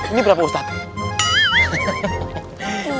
ini berapa ustadz